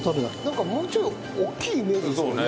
なんかもうちょい大きいイメージですよね鮎ってね。